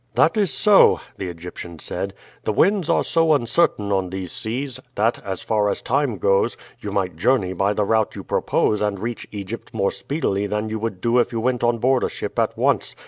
"That is so," the Egyptian said. "The winds are so uncertain on these seas that, as far as time goes, you might journey by the route you propose and reach Egypt more speedily than you would do if you went on board a ship at once.